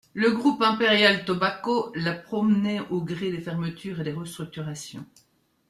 Le groupe Imperial Tobacco l’a promené au gré des fermetures et des restructurations.